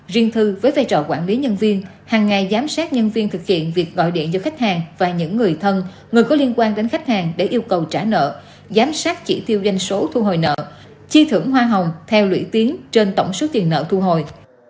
riêng thư với vai trò quản lý nhân viên hàng ngày giám sát nhân viên thực hiện việc gọi điện cho khách hàng và những người thân người có liên quan đến khách hàng để yêu cầu trả nợ giám sát chỉ tiêu doanh số thu hồi nợ chi thưởng hoa hồng theo lũy tiến trên tổng số tiền nợ thu hồi